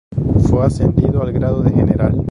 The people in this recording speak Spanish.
Fue ascendido al grado de general.